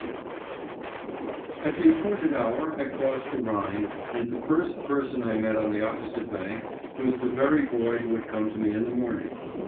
XV At the appointed hour I crossed the Rhine, and the first person I met on the opposite bank was the very boy who had come to me in the morning.